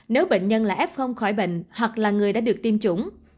nếu bệnh nhân là f khỏi bệnh hoặc là người đã được tiêm chủng